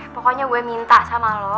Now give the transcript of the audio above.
pokoknya gue minta sama lo